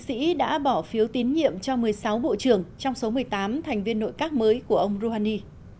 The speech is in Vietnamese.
sĩ đã bỏ phiếu tín nhiệm cho một mươi sáu bộ trưởng trong số một mươi tám thành viên nội các mới của ông rouhani